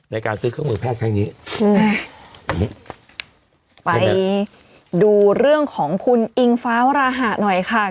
ในการซื้อเครื่องมือแพทย์ครั้งนี้อืมไปดูเรื่องของคุณอิงฟ้าวราหะหน่อยค่ะ